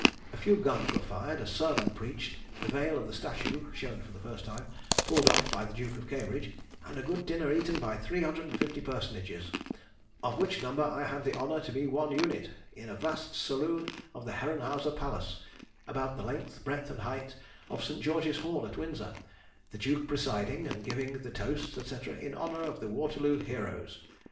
A few guns were fired, a sermon preached, the veil of the statue (shown for the first time) pulled off by the Duke of Cambridge, and a good dinner eaten by 350 personages, of which number I had the honour to be one unit, in a vast saloon in the Herrenhauser Palace, about the length, breadth, and height of St. George's Hall, at Windsor, the Duke presiding and giving the toasts, &c., in honour of the Waterloo heroes.